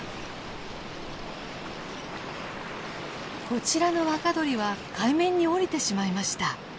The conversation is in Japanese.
こちらの若鳥は海面に降りてしまいました。